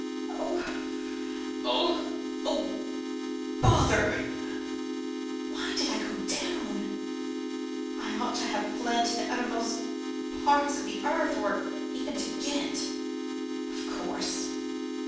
oh! oh! oh! bother! Why did I go down? I ought to have fled to the uttermost parts of the earth: or even to Ghent. Of course.